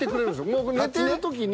もう寝てる時に。